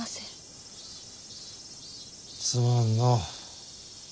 すまんの。